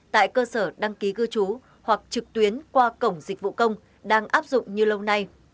tại cơ sở đăng ký cư trú hoặc trực tuyến qua cổng dịch vụ công đang áp dụng như lâu nay